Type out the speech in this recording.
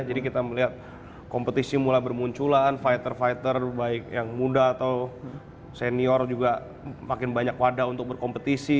jadi kita melihat kompetisi mulai bermunculan fighter fighter baik yang muda atau senior juga makin banyak wadah untuk berkompetisi